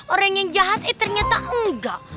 orang yang jahat eh ternyata enggak